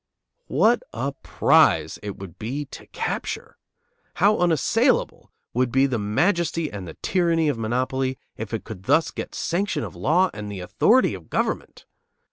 What a prize it would be to capture! How unassailable would be the majesty and the tyranny of monopoly if it could thus get sanction of law and the authority of government!